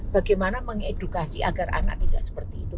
bagaimana mengedukasi agar anak tidak seperti itu